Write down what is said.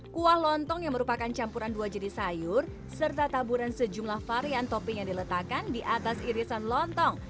kuah lontong yang merupakan campuran dua jenis sayur serta taburan sejumlah varian topping yang diletakkan di atas irisan lontong